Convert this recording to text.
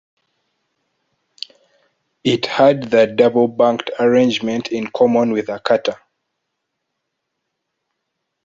It had the double-banked arrangement in common with the cutter.